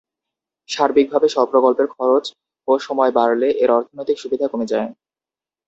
সার্বিকভাবে প্রকল্পের খরচ ও সময় বাড়লে এর অর্থনৈতিক সুবিধা কমে যায়।